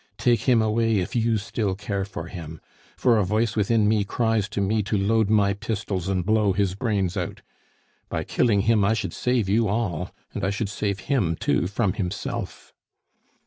Take him away if you still care for him, for a voice within me cries to me to load my pistols and blow his brains out. By killing him I should save you all, and I should save him too from himself."